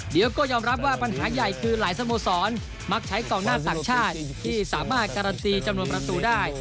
เดี๋ยวก็ยอมรับว่าปัญหาใหญ่คือหลายสโมสรมักใช้กองหน้าต่างชาติที่สามารถการันตีจำนวนประตูได้